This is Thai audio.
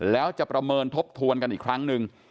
แล้วจะประเมินทบทวนกันอีกครั้งหนึ่ง